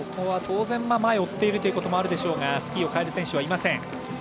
当然前を追っているということもあるでしょうがスキーをかえる選手はいません。